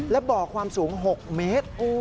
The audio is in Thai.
และบ่อความสูง๖เมตร